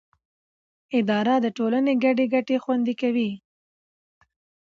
اداره د ټولنې ګډې ګټې خوندي کوي.